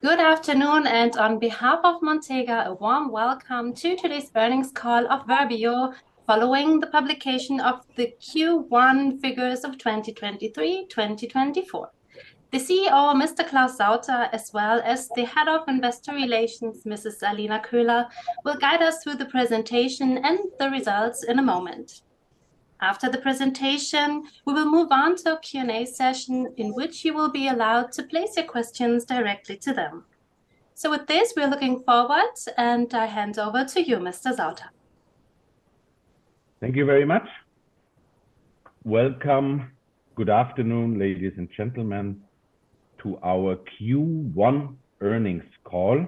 Good afternoon, and on behalf of Montega, a warm welcome to today's earnings call of Verbio, following the publication of the Q1 figures of 2023/2024. The CEO, Mr. Claus Sauter, as well as the Head of Investor Relations, Mrs. Alina Köhler, will guide us through the presentation and the results in a moment. After the presentation, we will move on to a Q&A session, in which you will be allowed to place your questions directly to them. With this, we are looking forward, and I hand over to you, Mr. Sauter. Thank you very much. Welcome. Good afternoon, ladies and gentlemen, to our Q1 earnings call.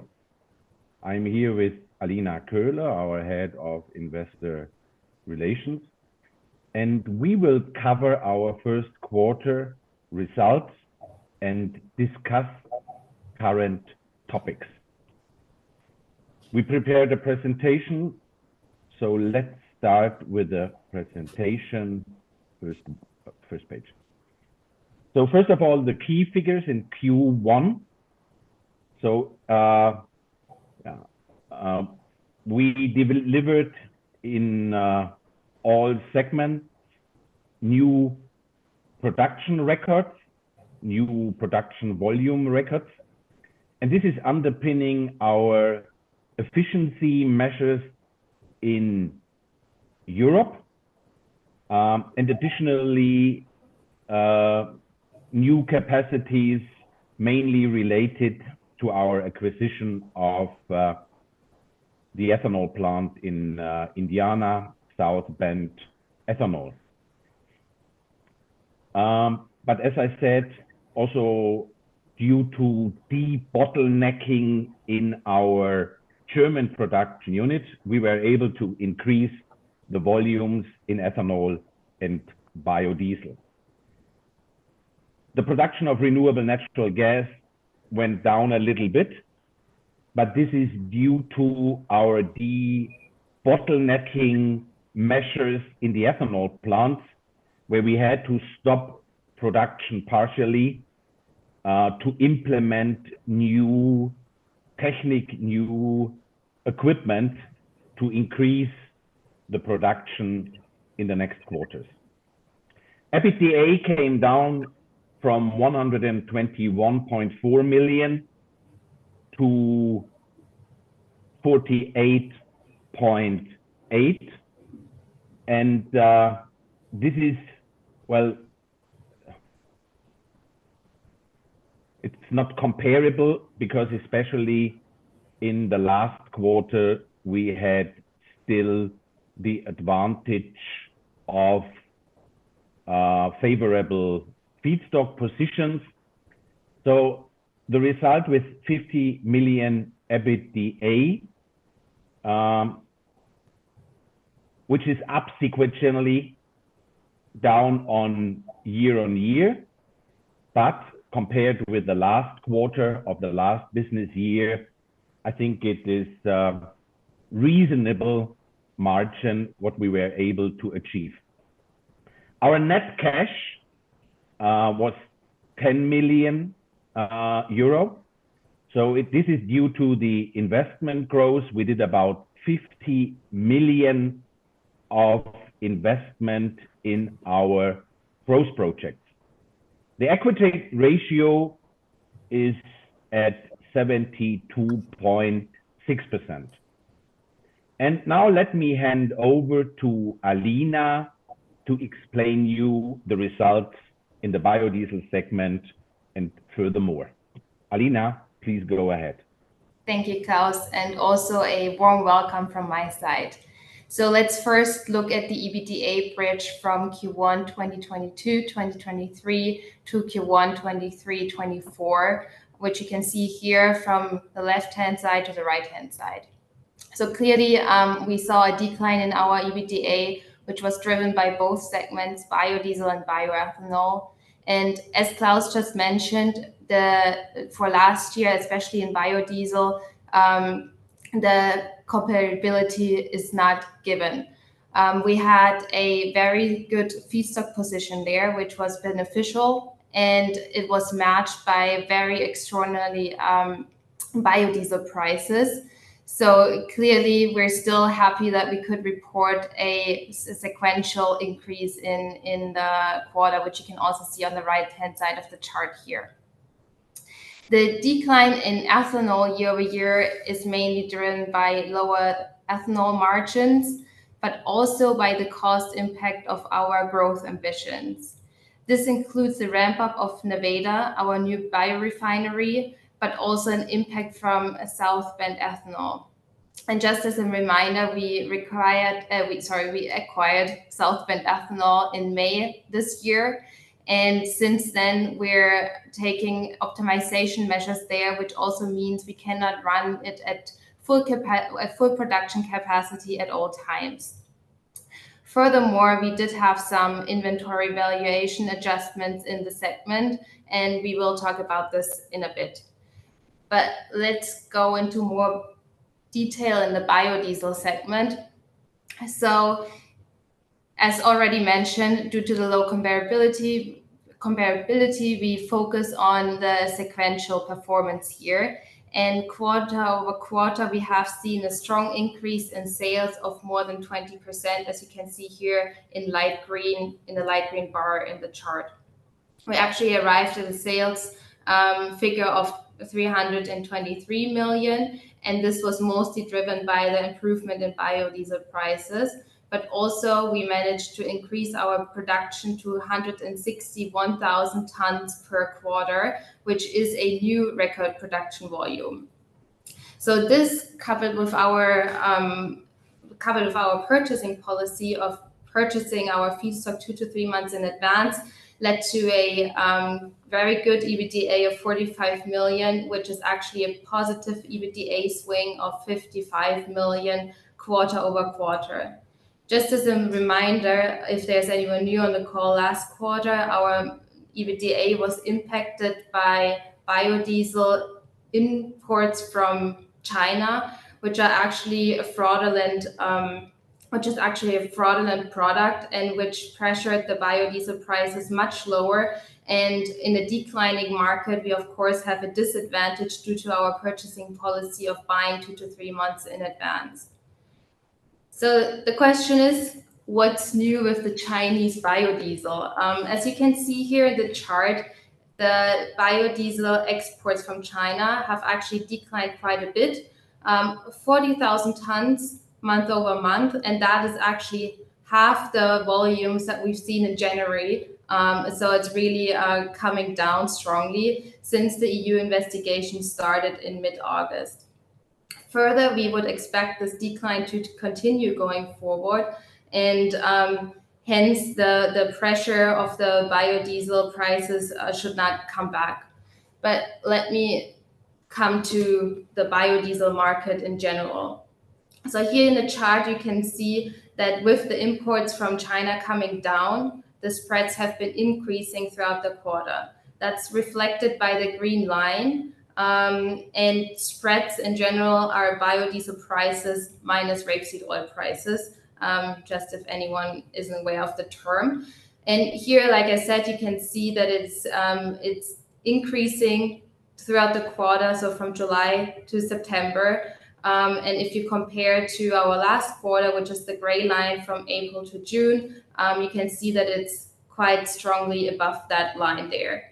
I'm here with Alina Köhler, our Head of Investor Relations, and we will cover our first quarter results and discuss current topics. We prepared a presentation, so let's start with the presentation. First, first page. So first of all, the key figures in Q1. So, we delivered in all segments, new production records, new production volume records, and this is underpinning our efficiency measures in Europe. And additionally, new capacities mainly related to our acquisition of the ethanol plant in Indiana, South Bend Ethanol. But as I said, also, due to de-bottlenecking in our German production unit, we were able to increase the volumes in ethanol and biodiesel. The production of renewable natural gas went down a little bit, but this is due to our de-bottlenecking measures in the ethanol plant, where we had to stop production partially, to implement new technique, new equipment, to increase the production in the next quarters. EBITDA came down from 121.4 million to 48.8 million, and, this is... Well, it's not comparable because especially in the last quarter, we had still the advantage of, favorable feedstock positions. So the result with 50 million EBITDA, which is up sequentially, down on year-on-year, but compared with the last quarter of the last business year, I think it is a reasonable margin, what we were able to achieve. Our net cash, was 10 million euro. So this is due to the investment growth. We did about 50 million of investment in our growth projects. The equity ratio is at 72.6%. And now let me hand over to Alina to explain you the results in the biodiesel segment and furthermore. Alina, please go ahead. Thank you, Claus, and also a warm welcome from my side. So let's first look at the EBITDA bridge from Q1 2022/2023-Q1 2023/2024, which you can see here from the left-hand side to the right-hand side. So clearly, we saw a decline in our EBITDA, which was driven by both segments, biodiesel and bioethanol. And as Claus just mentioned, for last year, especially in biodiesel, the comparability is not given. We had a very good feedstock position there, which was beneficial, and it was matched by very extraordinarily biodiesel prices. So clearly, we're still happy that we could report a sequential increase in the quarter, which you can also see on the right-hand side of the chart here. The decline in ethanol year-over-year is mainly driven by lower ethanol margins, but also by the cost impact of our growth ambitions. This includes the ramp-up of Nevada, our new biorefinery, but also an impact from South Bend Ethanol. And just as a reminder, we acquired South Bend Ethanol in May this year, and since then, we're taking optimization measures there, which also means we cannot run it at full production capacity at all times. Furthermore, we did have some inventory valuation adjustments in the segment, and we will talk about this in a bit. But let's go into more detail in the biodiesel segment. As already mentioned, due to the low comparability, we focus on the sequential performance here. Quarter-over-quarter, we have seen a strong increase in sales of more than 20%, as you can see here in light green, in the light green bar in the chart. We actually arrived to the sales figure of 323 million, and this was mostly driven by the improvement in biodiesel prices. But also, we managed to increase our production to 161,000 tons per quarter, which is a new record production volume. So this, coupled with our, coupled with our purchasing policy of purchasing our feedstock two-three months in advance, led to a very good EBITDA of 45 million, which is actually a positive EBITDA swing of 55 million quarter-over-quarter. Just as a reminder, if there's anyone new on the call, last quarter, our EBITDA was impacted by biodiesel imports from China, which are actually a fraudulent, Which is actually a fraudulent product, and which pressured the biodiesel prices much lower. And in a declining market, we of course have a disadvantage due to our purchasing policy of buying two-three months in advance. So the question is, what's new with the Chinese biodiesel? As you can see here in the chart, the biodiesel exports from China have actually declined quite a bit, 40,000 tons month-over-month, and that is actually half the volumes that we've seen in January. So it's really coming down strongly since the EU investigation started in mid-August. Further, we would expect this decline to continue going forward, and hence, the pressure of the biodiesel prices should not come back. But let me come to the biodiesel market in general. So here in the chart, you can see that with the imports from China coming down, the spreads have been increasing throughout the quarter. That's reflected by the green line. And spreads, in general, are biodiesel prices minus rapeseed oil prices, just if anyone is aware of the term. And here, like I said, you can see that it's increasing throughout the quarter, so from July to September. And if you compare to our last quarter, which is the gray line from April to June, you can see that it's quite strongly above that line there.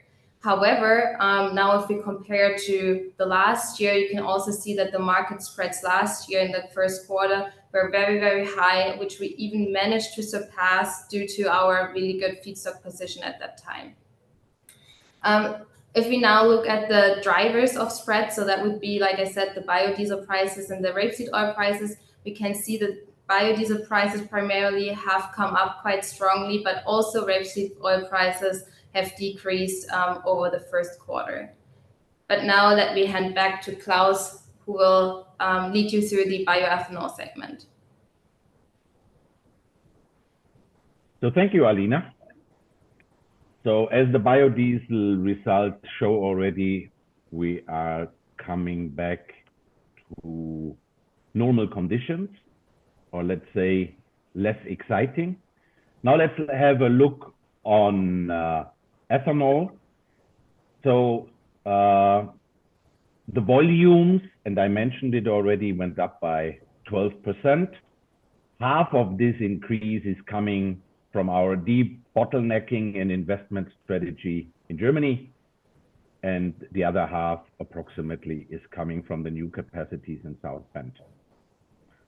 However, now, if we compare to the last year, you can also see that the market spreads last year in the first quarter were very, very high, which we even managed to surpass due to our really good feedstock position at that time. If we now look at the drivers of spread, so that would be, like I said, the biodiesel prices and the rapeseed oil prices, we can see the biodiesel prices primarily have come up quite strongly, but also rapeseed oil prices have decreased over the first quarter. But now let me hand back to Claus, who will lead you through the bioethanol segment. Thank you, Alina. As the biodiesel results show already, we are coming back to normal conditions, or let's say, less exciting. Now let's have a look on ethanol. The volumes, and I mentioned it already, went up by 12%. Half of this increase is coming from our de-bottlenecking and investment strategy in Germany, and the other half, approximately, is coming from the new capacities in South Bend.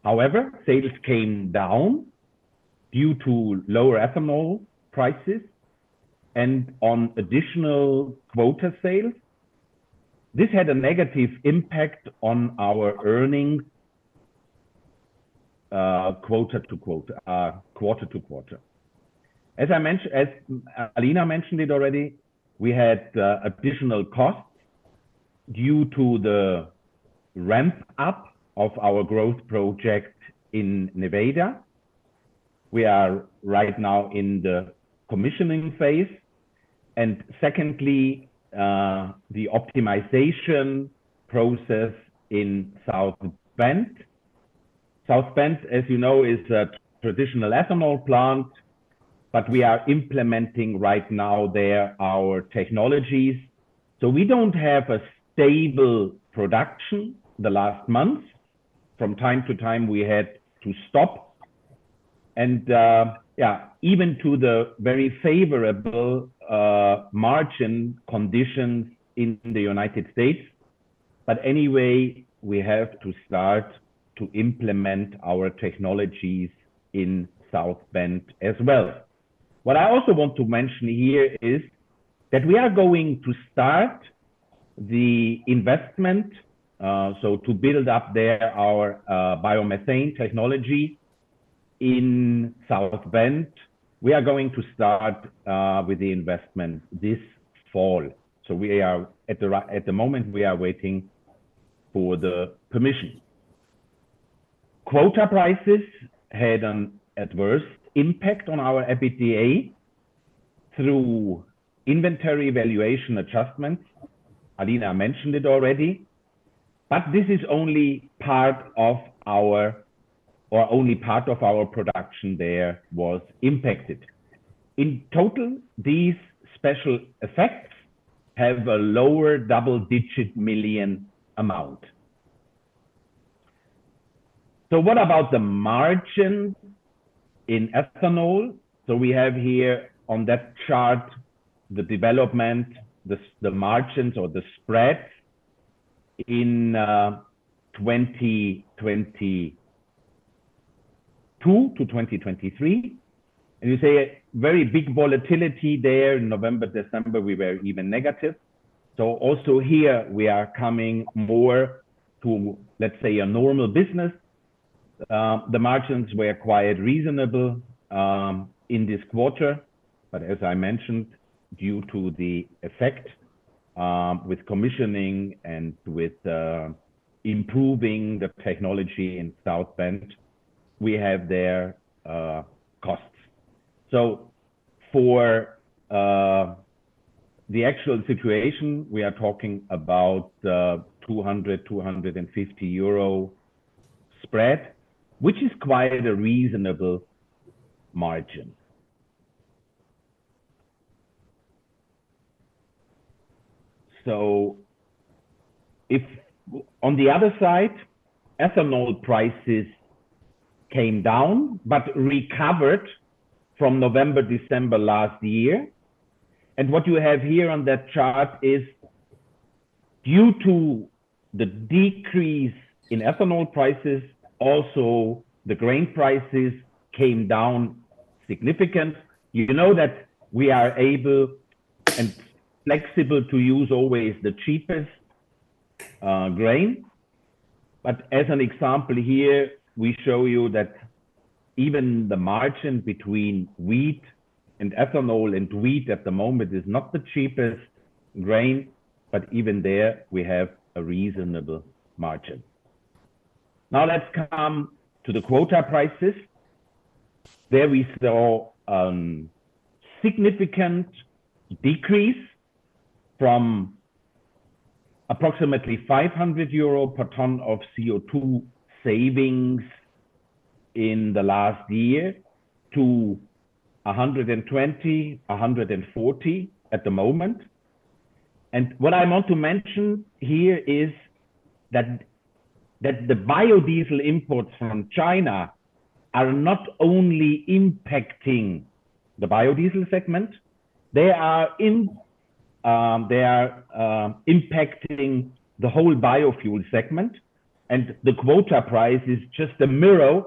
However, sales came down due to lower ethanol prices and on additional quota sales. This had a negative impact on our earnings quarter-over-quarter. As Alina mentioned it already, we had additional costs due to the ramp-up of our growth project in Nevada. We are right now in the commissioning phase. And secondly, the optimization process in South Bend. South Bend, as you know, is a traditional ethanol plant, but we are implementing right now there our technologies. So we don't have a stable production the last month. From time to time, we had to stop. And, yeah, even to the very favorable margin conditions in the United States. But anyway, we have to start to implement our technologies in South Bend as well. What I also want to mention here is that we are going to start the investment, so to build up there our biomethane technology in South Bend. We are going to start with the investment this fall. So at the moment, we are waiting for the permission. Quota prices had an adverse impact on our EBITDA. through inventory valuation adjustments, Alina mentioned it already, but this is only part of our, or only part of our production there was impacted. In total, these special effects have a lower double-digit million EUR amount. So what about the margin in ethanol? So we have here on that chart, the development, the margins or the spread in 2022-2023. And you see a very big volatility there. In November, December, we were even negative. So also here we are coming more to, let's say, a normal business. The margins were quite reasonable in this quarter, but as I mentioned, due to the effect with commissioning and with improving the technology in South Bend, we have their costs. So for the actual situation, we are talking about 200-250 euro spread, which is quite a reasonable margin. So if on the other side, ethanol prices came down but recovered from November, December last year. And what you have here on that chart is due to the decrease in ethanol prices, also the grain prices came down significant. You know that we are able and flexible to use always the cheapest grain. But as an example here, we show you that even the margin between wheat and ethanol, and wheat at the moment is not the cheapest grain, but even there, we have a reasonable margin. Now, let's come to the quota prices. There we saw significant decrease from approximately 500 euro per ton of CO2 savings in the last year to 120-140 at the moment. And what I want to mention here is that, that the biodiesel imports from China are not only impacting the biodiesel segment, they are impacting the whole biofuel segment, and the quota price is just a mirror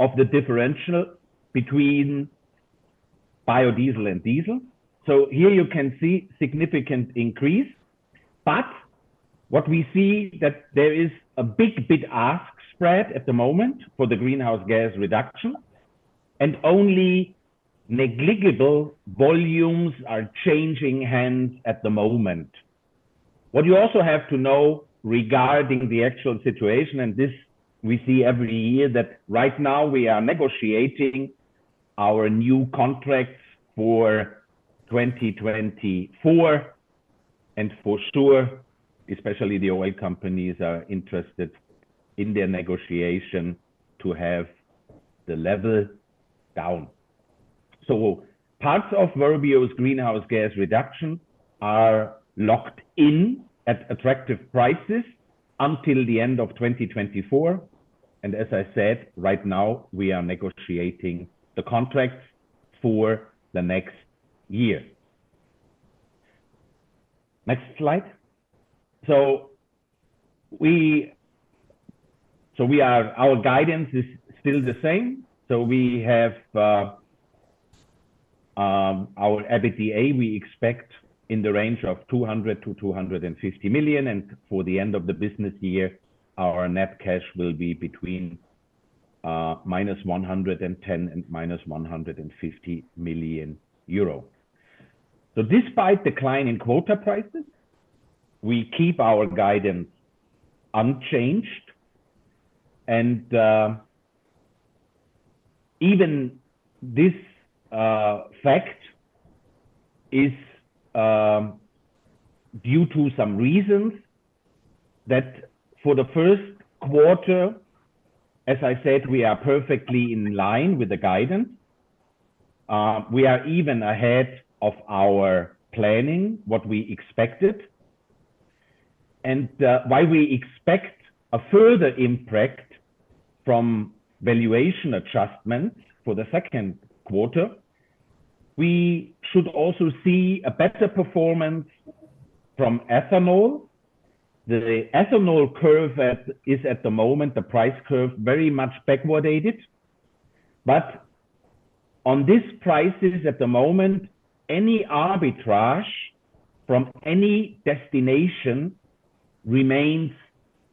of the differential between biodiesel and diesel. So here you can see significant increase, but what we see that there is a big bid-ask spread at the moment for the greenhouse gas reduction, and only negligible volumes are changing hands at the moment. What you also have to know regarding the actual situation, and this we see every year, that right now we are negotiating our new contracts for 2024. For sure, especially the oil companies are interested in their negotiation to have the level down. So parts of Verbio's greenhouse gas reduction are locked in at attractive prices until the end of 2024. And as I said, right now, we are negotiating the contracts for the next year. Next slide. So our guidance is still the same. So we have our EBITDA; we expect in the range of 200 million-250 million, and for the end of the business year, our net cash will be between -110 million and -150 million euro. So despite decline in quota prices, we keep our guidance unchanged. And, even this fact is due to some reasons that for the first quarter, as I said, we are perfectly in line with the guidance. We are even ahead of our planning, what we expected. And, while we expect a further impact from valuation adjustments for the second quarter, we should also see a better performance from ethanol. The ethanol curve is at the moment, the price curve, very much backwardated. But on these prices at the moment, any arbitrage from any destination remains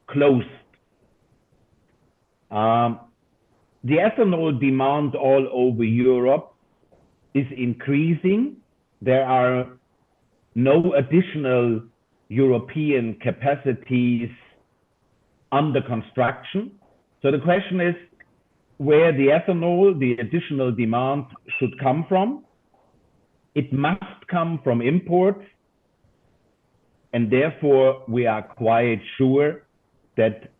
closed. The ethanol demand all over Europe is increasing. There are no additional European capacities under construction. So the question is, where the ethanol, the additional demand should come from? It must come from imports, and therefore, we are quite sure that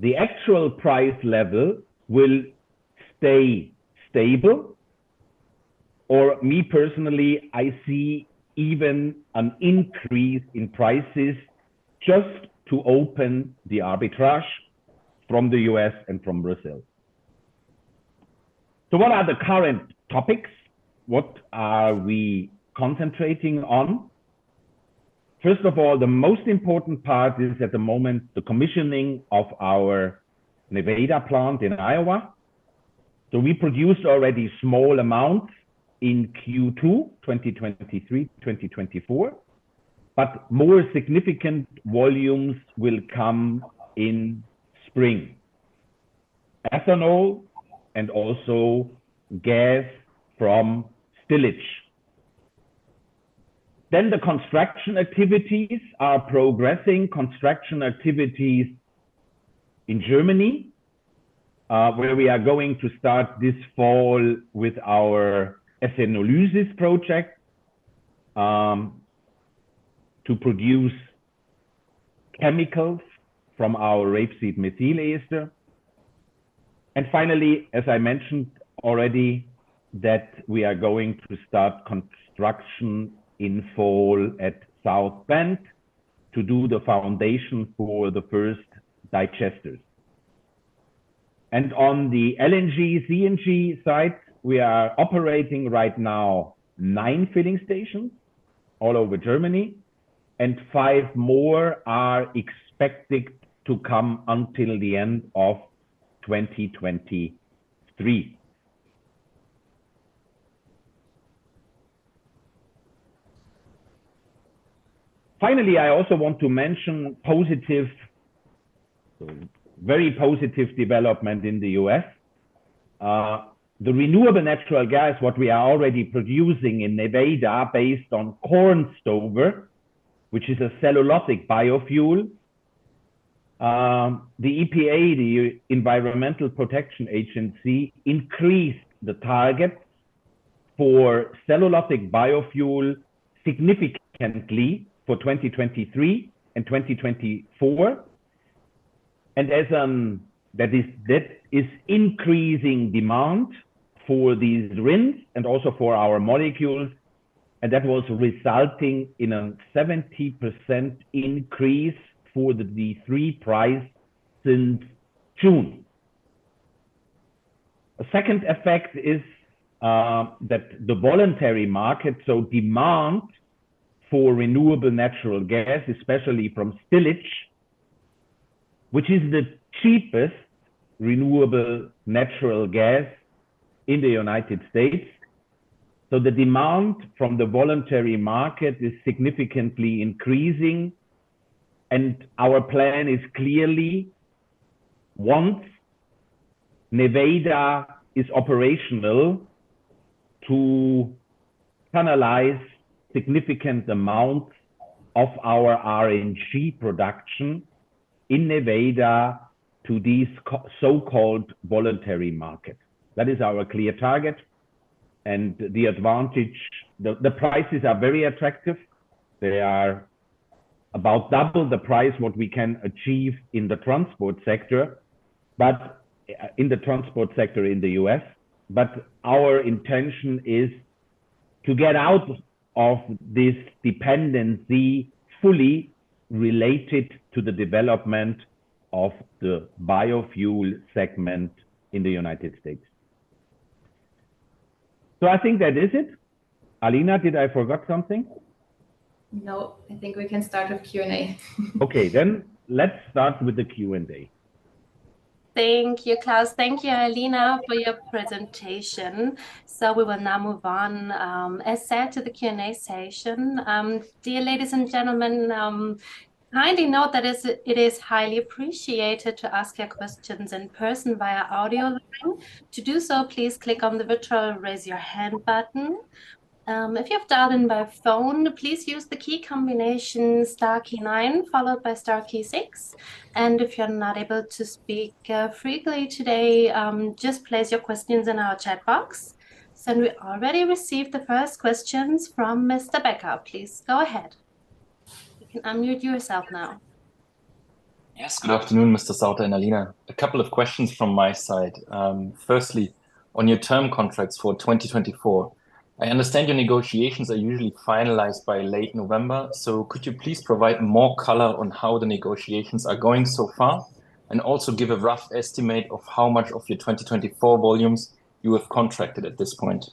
the actual price level will stay stable. For me personally, I see even an increase in prices just to open the arbitrage from the U.S. and from Brazil. So what are the current topics? What are we concentrating on? First of all, the most important part is, at the moment, the commissioning of our Nevada plant in Iowa. So we produced already small amounts in Q2, 2023, 2024, but more significant volumes will come in spring. Ethanol and also gas from stillage. Then the construction activities are progressing. Construction activities in Germany, where we are going to start this fall with our ethanolysis project, to produce chemicals from our rapeseed methyl ester. And finally, as I mentioned already, that we are going to start construction in fall at South Bend to do the foundation for the first digesters. On the LNG, CNG site, we are operating right now nine filling stations all over Germany, and five more are expected to come until the end of 2023. Finally, I also want to mention positive, very positive development in the U.S. The renewable natural gas, what we are already producing in Nevada, based on corn stover, which is a cellulosic biofuel. The EPA, the Environmental Protection Agency, increased the target for cellulosic biofuel significantly for 2023 and 2024. That is, that is increasing demand for these RINs and also for our molecules, and that was resulting in a 70% increase for the D3 price since June. A second effect is that the voluntary market, so demand for renewable natural gas, especially from stillage, which is the cheapest renewable natural gas in the United States. So the demand from the voluntary market is significantly increasing, and our plan is clearly, once Nevada is operational, to analyze significant amount of our RNG production in Nevada to these so-called voluntary market. That is our clear target, and the advantage, the prices are very attractive. They are about double the price what we can achieve in the transport sector, but in the transport sector in the U.S. But our intention is to get out of this dependency fully related to the development of the biofuel segment in the United States. So I think that is it. Alina, did I forgot something? No, I think we can start with Q&A. Okay, then let's start with the Q&A. Thank you, Claus. Thank you, Alina, for your presentation. We will now move on, as said, to the Q&A session. Dear ladies and gentlemen, kindly note that it is highly appreciated to ask your questions in person via audio link. To do so, please click on the virtual Raise Your Hand button. If you have dialed in by phone, please use the key combination star key nine, followed by star key six. If you're not able to speak freely today, just place your questions in our chat box. We already received the first questions from Mr. Becker. Please, go ahead. You can unmute yourself now. Yes. Good afternoon, Mr. Sauter and Alina. A couple of questions from my side. Firstly, on your term contracts for 2024, I understand your negotiations are usually finalized by late November. Could you please provide more color on how the negotiations are going so far, and also give a rough estimate of how much of your 2024 volumes you have contracted at this point?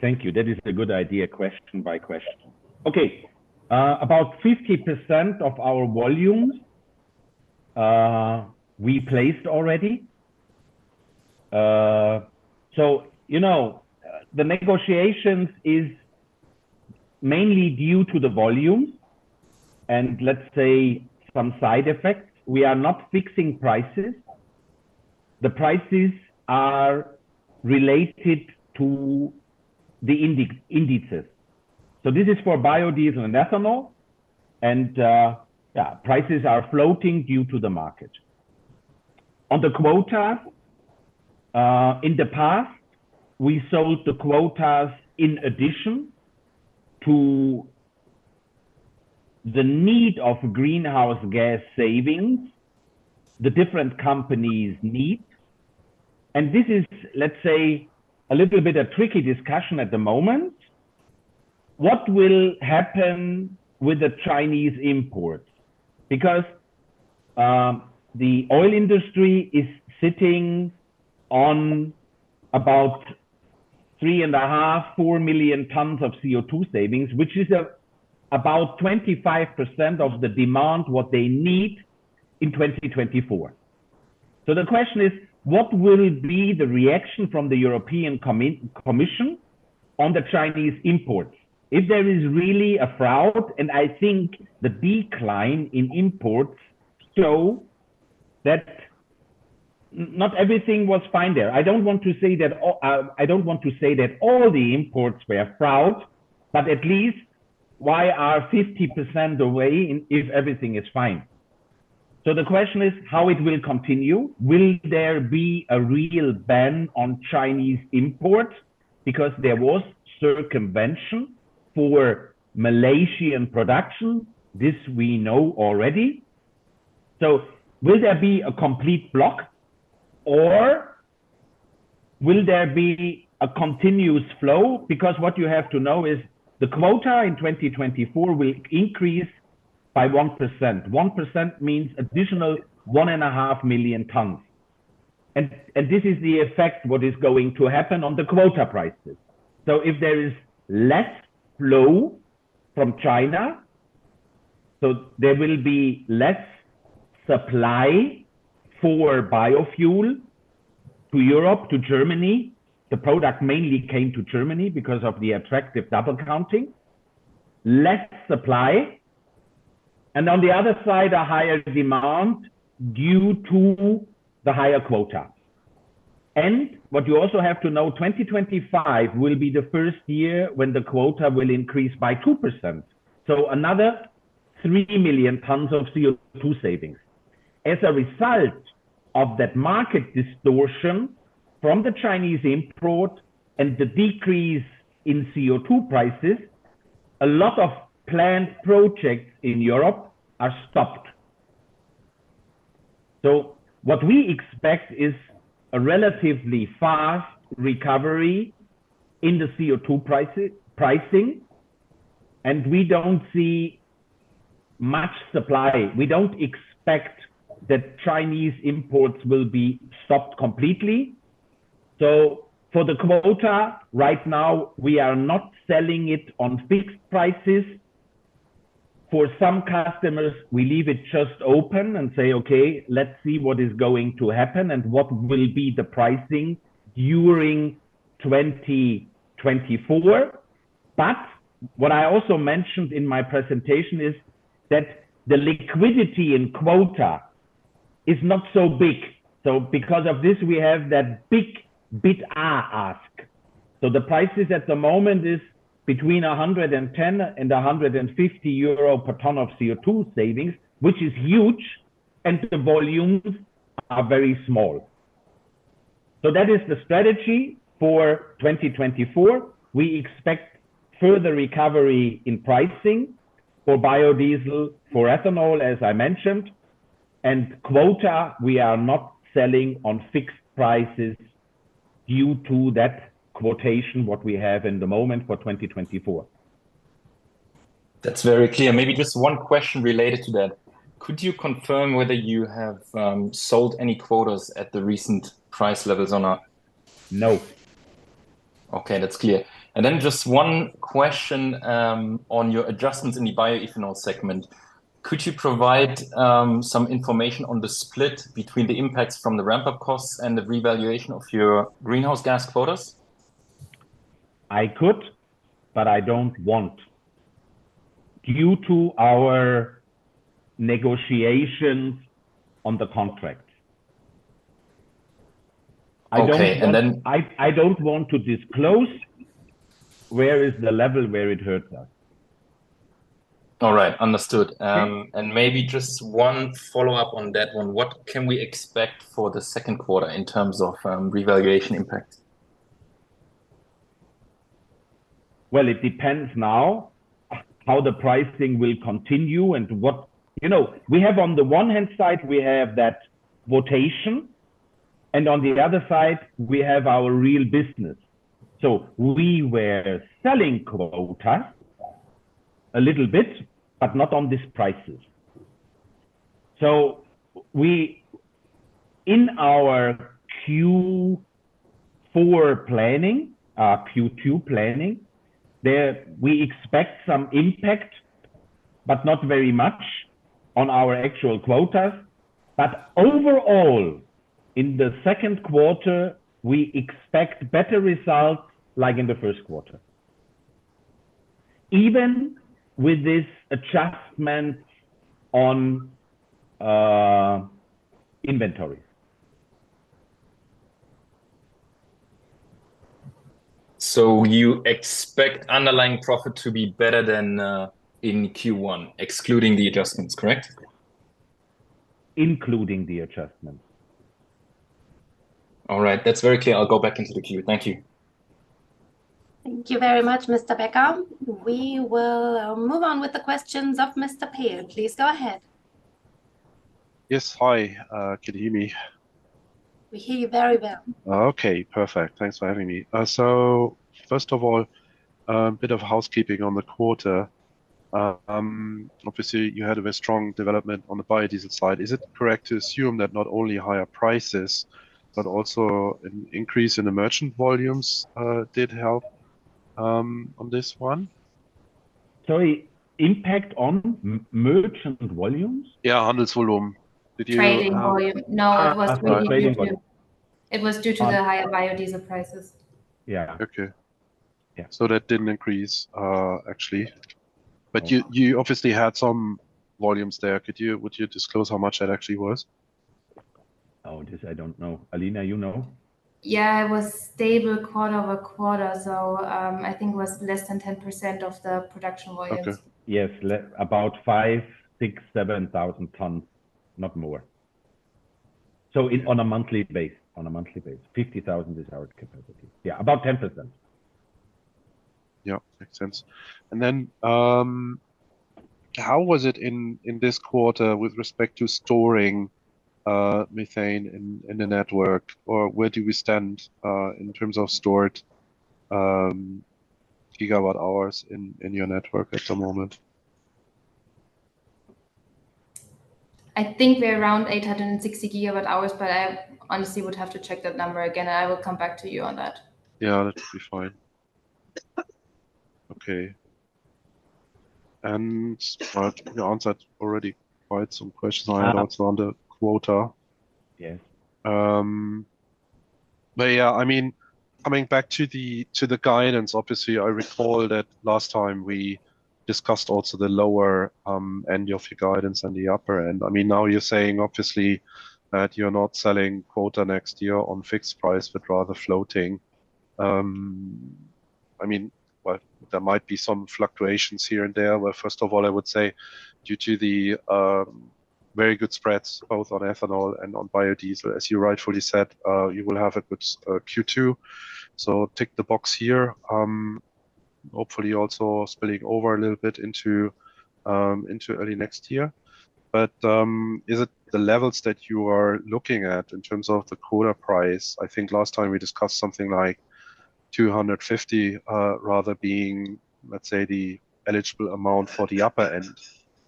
Thank you. That is a good idea, question by question. Okay, about 50% of our volumes, we placed already. So, you know, the negotiations is mainly due to the volume and, let's say, some side effects. We are not fixing prices. The prices are related to the indices. So this is for biodiesel and ethanol, and, yeah, prices are floating due to the market. On the quota, in the past, we sold the quotas in addition to the need of greenhouse gas savings, the different companies need. And this is, let's say, a little bit a tricky discussion at the moment. What will happen with the Chinese imports? Because, the oil industry is sitting on about 3.5-four million tons of CO2 savings, which is about 25% of the demand, what they need in 2024. So the question is, what will be the reaction from the European Commission on the Chinese imports? If there is really a fraud, and I think the decline in imports show that not everything was fine there. I don't want to say that all... I don't want to say that all the imports were fraud, but at least why are 50% away if everything is fine? So the question is, how it will continue? Will there be a real ban on Chinese imports? Because there was circumvention for Malaysian production. This we know already. So will there be a complete block, or will there be a continuous flow? Because what you have to know is the quota in 2024 will increase by 1%. One percent means additional 1.5 million tons. This is the effect, what is going to happen on the quota prices. So if there is less flow from China, there will be less supply for biofuel to Europe, to Germany. The product mainly came to Germany because of the attractive double counting. Less supply, and on the other side, a higher demand due to the higher quota. And what you also have to know, 2025 will be the first year when the quota will increase by 2%, so another three million tons of CO2 savings. As a result of that market distortion from the Chinese import and the decrease in CO2 prices, a lot of planned projects in Europe are stopped. So what we expect is a relatively fast recovery in the CO2 pricing, and we don't see much supply. We don't expect that Chinese imports will be stopped completely. So for the quota, right now, we are not selling it on fixed prices. For some customers, we leave it just open and say, "Okay, let's see what is going to happen and what will be the pricing during 2024." But what I also mentioned in my presentation is that the liquidity in quota is not so big. So because of this, we have that big bid-ask. So the prices at the moment is between 110-150 euro per ton of CO2 savings, which is huge, and the volumes are very small. So that is the strategy for 2024. We expect further recovery in pricing for biodiesel, for ethanol, as I mentioned. And quota, we are not selling on fixed prices due to that situation, what we have in the moment for 2024. That's very clear. Maybe just one question related to that: Could you confirm whether you have sold any quotas at the recent price levels or not? No. Okay, that's clear. And then just one question on your adjustments in the bioethanol segment. Could you provide some information on the split between the impacts from the ramp-up costs and the revaluation of your greenhouse gas quotas? I could, but I don't want, due to our negotiations on the contract. I don't want- Okay, and then- I don't want to disclose where is the level where it hurts us. All right. Understood. Yeah. Maybe just one follow-up on that one. What can we expect for the second quarter in terms of revaluation impact? Well, it depends now how the pricing will continue and what... You know, we have on the one hand side, we have that quota, and on the other side, we have our real business. So we were selling quota a little bit, but not on these prices. So we, in our Q4 planning, Q2 planning, there we expect some impact, but not very much on our actual quotas. But overall, in the second quarter, we expect better results like in the first quarter... even with this adjustment on, inventory. So you expect underlying profit to be better than in Q1, excluding the adjustments, correct? Including the adjustments. All right, that's very clear. I'll go back into the queue. Thank you. Thank you very much, Mr. Becker. We will move on with the questions of Mr.Philipp. Please go ahead. Yes. Hi, can you hear me? We hear you very well. Okay, perfect. Thanks for having me. So first of all, a bit of housekeeping on the quarter. Obviously, you had a very strong development on the biodiesel side. Is it correct to assume that not only higher prices, but also an increase in the merchant volumes did help on this one? Sorry, impact on merchant volumes? Yeah, Handelsvolumen. Did you- Trading volume. No, it was- Trading volume. It was due to the higher biodiesel prices. Yeah. Okay. Yeah. So that didn't increase, actually. But you obviously had some volumes there. Would you disclose how much that actually was? Oh, this I don't know. Alina, you know? Yeah, it was stable quarter-over-quarter, so, I think it was less than 10% of the production volumes. Okay. Yes, about 5,000-7,000 tons, not more. So it's on a monthly basis, on a monthly basis. 50,000 is our capacity. Yeah, about 10%. Yeah, makes sense. And then, how was it in this quarter with respect to storing methane in the network? Or where do we stand in terms of stored gigawatt hours in your network at the moment? I think we're around 860 GWh, but I honestly would have to check that number again, and I will come back to you on that. Yeah, that would be fine. Okay. And but you answered already quite some questions I had asked on the quota. Yeah. But yeah, I mean, coming back to the guidance, obviously, I recall that last time we discussed also the lower end of your guidance and the upper end. I mean, now you're saying, obviously, that you're not selling quota next year on fixed price, but rather floating. I mean, well, there might be some fluctuations here and there. Well, first of all, I would say due to the very good spreads, both on ethanol and on biodiesel, as you rightfully said, you will have a good Q2, so tick the box here. Hopefully, also spilling over a little bit into early next year. But is it the levels that you are looking at in terms of the quota price? I think last time we discussed something like 250, rather being, let's say, the eligible amount for the upper end.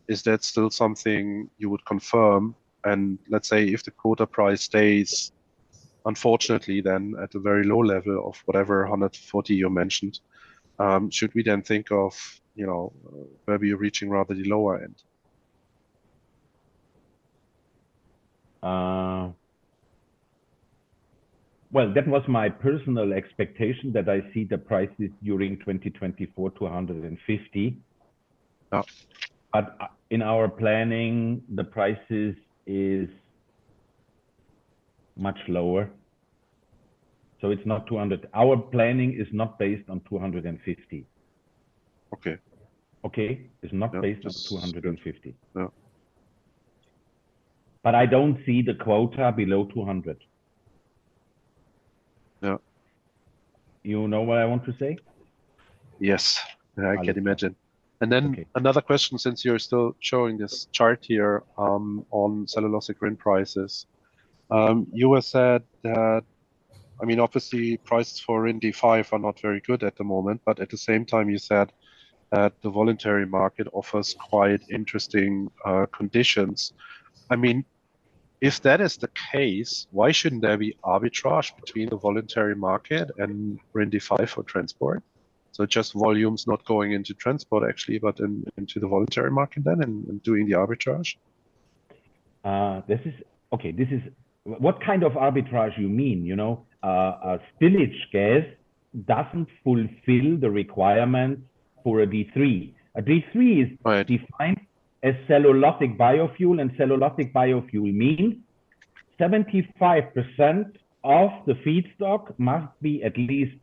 Is that still something you would confirm? And let's say, if the quota price stays, unfortunately, then at a very low level of whatever 140 you mentioned, should we then think of, you know, maybe reaching rather the lower end? Well, that was my personal expectation that I see the prices during 2024 to 150. Yeah. But in our planning, the prices is much lower, so it's not 200... Our planning is not based on 250. Okay. Okay? Yeah. It's not based on 250. No. I don't see the quota below 200. Yeah. You know what I want to say? Yes, I can imagine. Okay. And then another question, since you're still showing this chart here, on cellulosic RIN prices. You had said that... I mean, obviously, prices for D5 RIN are not very good at the moment, but at the same time, you said that the voluntary market offers quite interesting conditions. I mean, if that is the case, why shouldn't there be arbitrage between the voluntary market and D5 RIN for transport? So just volumes not going into transport, actually, but in, into the voluntary market then and, and doing the arbitrage. What kind of arbitrage you mean, you know? A spillage gas doesn't fulfill the requirement for a D3. A D3 is- Right... defined as cellulosic biofuel, and cellulosic biofuel mean 75% of the feedstock must be at least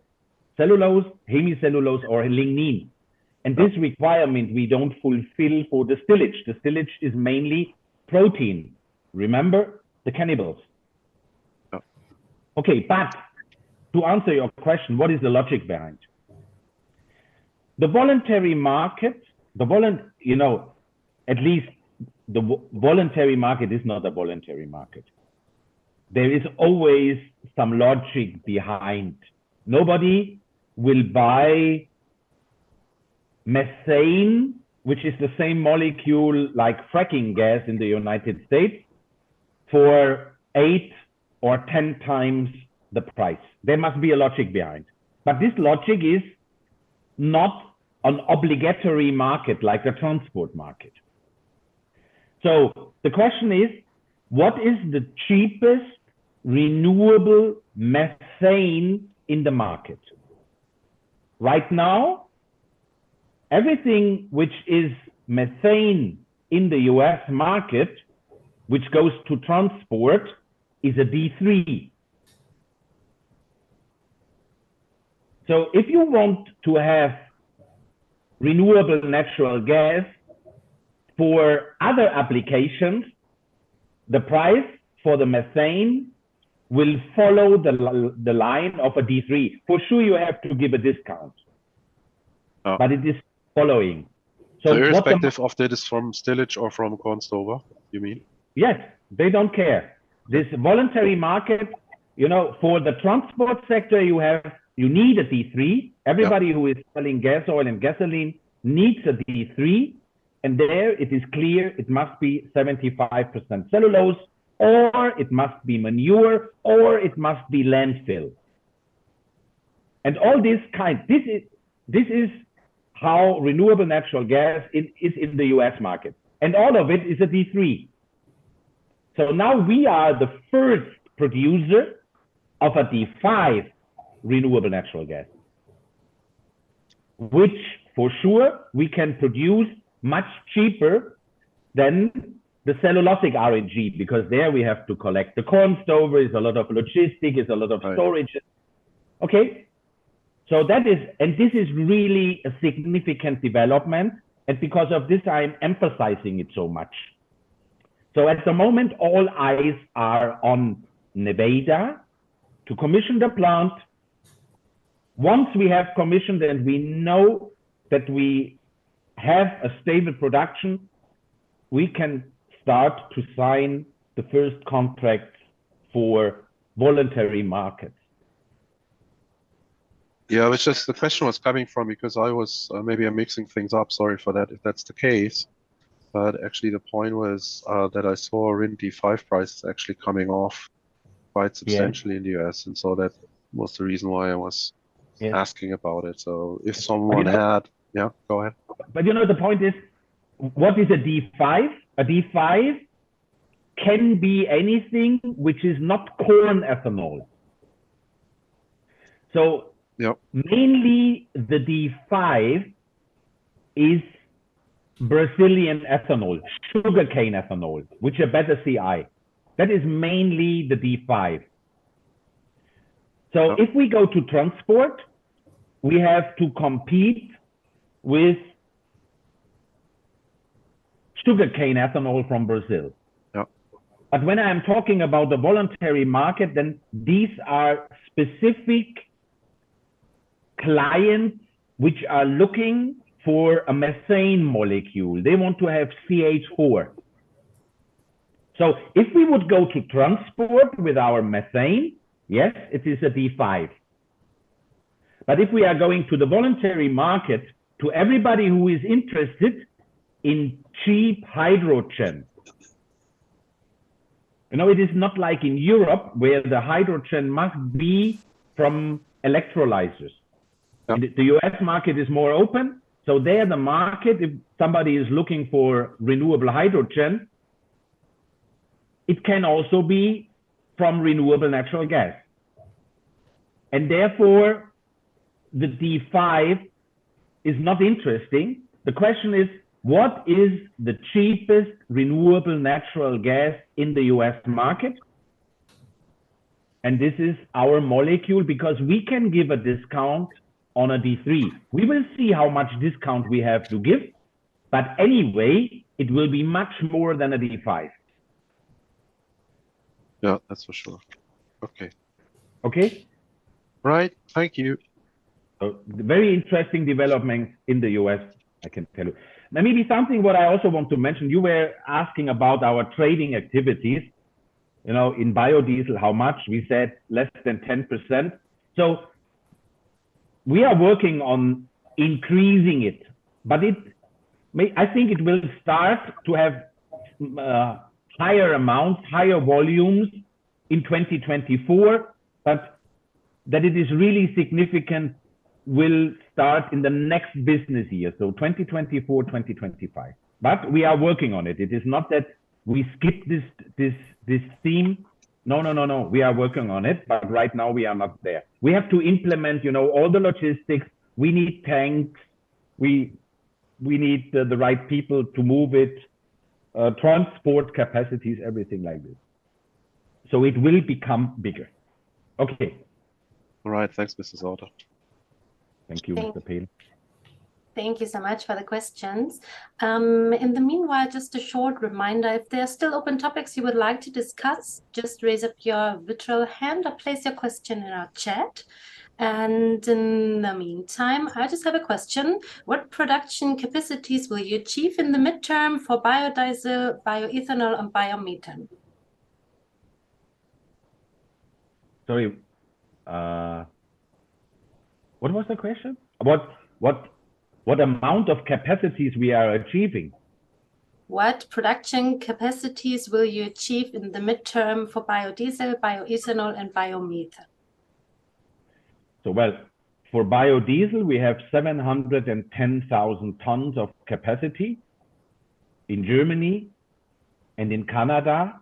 cellulose, hemicellulose, or lignin. Right. This requirement, we don't fulfill for the stillage. The stillage is mainly protein. Remember, the cannibals? Yeah. Okay. But to answer your question, what is the logic behind? The voluntary market, you know, at least the voluntary market is not a voluntary market. There is always some logic behind. Nobody will buy methane, which is the same molecule like fracking gas in the United States, for eight or 10 times the price. There must be a logic behind. But this logic is not an obligatory market like the transport market.... So the question is: What is the cheapest renewable methane in the market? Right now, everything which is methane in the U.S. market, which goes to transport, is a D3. So if you want to have renewable natural gas for other applications, the price for the methane will follow the line of a D3. For sure, you have to give a discount- Uh. But it is following. So what the- The perspective of that is from stillage or from corn stover, you mean? Yes, they don't care. This voluntary market, you know, for the transport sector, you need a D3. Yeah. Everybody who is selling gas oil and gasoline needs a D3, and there it is clear it must be 75% cellulose, or it must be manure, or it must be landfill. And all this kind, this is, this is how renewable natural gas is, is in the U.S. market, and all of it is a D3. So now we are the first producer of a D5 renewable natural gas, which for sure we can produce much cheaper than the cellulosic RNG, because there we have to collect the corn stover, is a lot of logistics, is a lot of storage. Right. Okay? So that is. And this is really a significant development, and because of this, I'm emphasizing it so much. So at the moment, all eyes are on Nevada to commission the plant. Once we have commissioned and we know that we have a stable production, we can start to sign the first contract for voluntary markets. Yeah, it was just the question was coming from, because I was, maybe I'm mixing things up. Sorry for that if that's the case. But actually, the point was, that I saw RIN D5 prices actually coming off quite- Yeah... substantially in the U.S., and so that was the reason why I was- Yeah... asking about it. So if someone had- I mean- Yeah, go ahead. You know, the point is, what is a D5? A D5 can be anything which is not corn ethanol. So- Yep... mainly the D5 is Brazilian ethanol, sugarcane ethanol, which are better CI. That is mainly the D5. Yep. If we go to transport, we have to compete with sugarcane ethanol from Brazil. Yep. But when I'm talking about the voluntary market, then these are specific clients which are looking for a methane molecule. They want to have CH4. So if we would go to transport with our methane, yes, it is a D5. But if we are going to the voluntary market, to everybody who is interested in cheap hydrogen, you know, it is not like in Europe, where the hydrogen must be from electrolyzers. Yep. The U.S. market is more open, so there the market, if somebody is looking for renewable hydrogen, it can also be from renewable natural gas. Therefore, the D5 is not interesting. The question is: What is the cheapest renewable natural gas in the U.S. market? This is our molecule, because we can give a discount on a D3. We will see how much discount we have to give, but anyway, it will be much more than a D5. Yeah, that's for sure. Okay. Okay? Right. Thank you. Very interesting development in the U.S., I can tell you. Now, maybe something what I also want to mention, you were asking about our trading activities, you know, in biodiesel, how much? We said less than 10%. So we are working on increasing it, but it may—I think it will start to have higher amounts, higher volumes in 2024, but that it is really significant will start in the next business year, so 2024, 2025. But we are working on it. It is not that we skip this, this, this theme. No, no, no, no, we are working on it, but right now we are not there. We have to implement, you know, all the logistics. We need tanks, we need the right people to move it, transport capacities, everything like this. So it will become bigger. Okay. All right. Thanks, Mr. Sauter. Thank you, Philip. Thank you so much for the questions. In the meanwhile, just a short reminder, if there are still open topics you would like to discuss, just raise up your virtual hand or place your question in our chat. In the meantime, I just have a question: What production capacities will you achieve in the midterm for biodiesel, bioethanol, and biomethane? Sorry, what was the question? About what, what amount of capacities we are achieving? What production capacities will you achieve in the midterm for biodiesel, bioethanol, and biomethane?... Well, for biodiesel, we have 710,000 tons of capacity in Germany and in Canada,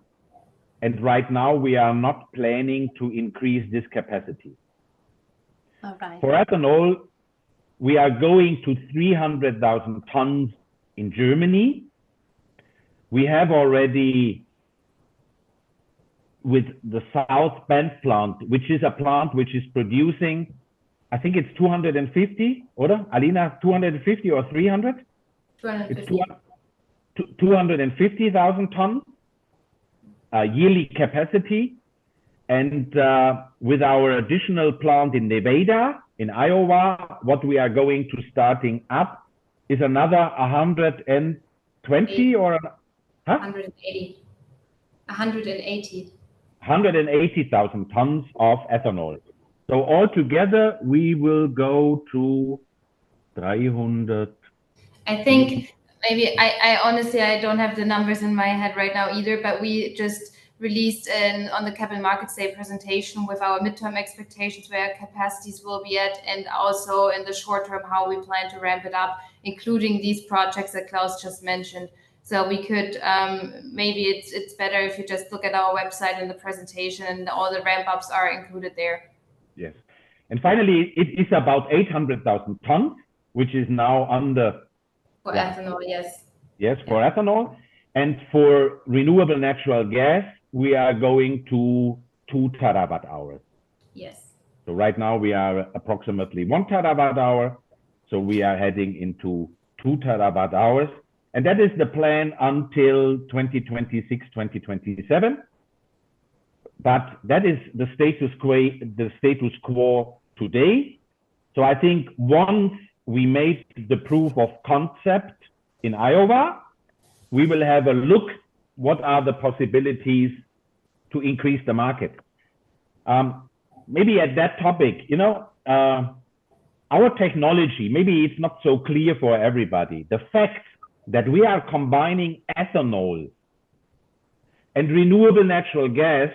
and right now we are not planning to increase this capacity. All right. For ethanol, we are going to 300,000 tons in Germany. We have already, with the South Bend plant, which is a plant which is producing, I think it's 250, or Alina, 250 or 300? 250. 250,000 tons yearly capacity. And with our additional plant in Nevada, Iowa, what we are going to starting up is another a hundred and twenty or. 180. 180,000 tons of ethanol. So altogether, we will go to I think maybe... I, I honestly, I don't have the numbers in my head right now either, but we just released an, on the Capital Markets Day presentation with our midterm expectations, where our capacities will be at, and also in the short term, how we plan to ramp it up, including these projects that Claus just mentioned. So we could... Maybe it's, it's better if you just look at our website and the presentation, and all the ramp-ups are included there. Yes. And finally, it is about 800,000 tons, which is now under- For ethanol, yes. Yes, for ethanol. And for renewable natural gas, we are going to 2 terawatt hours. Yes. So right now we are approximately 1 TWh, so we are heading into 2 TWh, and that is the plan until 2026, 2027. But that is the status quo, the status quo today. So I think once we make the proof of concept in Iowa, we will have a look what are the possibilities to increase the market. Maybe at that topic, you know, our technology, maybe it's not so clear for everybody. The fact that we are combining ethanol and renewable natural gas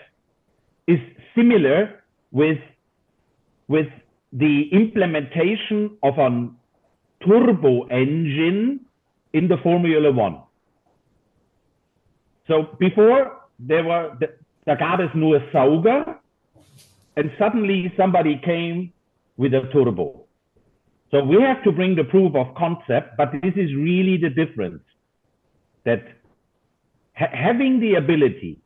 is similar with, with the implementation of an turbo engine in the Formula One. So before there were the and suddenly somebody came with a turbo. So we have to bring the proof of concept, but this is really the difference, that having the ability